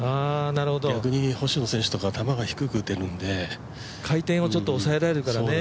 逆に星野選手は球が低く出せるんで回転をちょっと押さえられるからね。